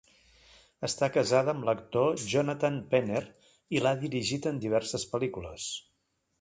Està casada amb l'actor Jonathan Penner i l'ha dirigit en diverses pel·lícules.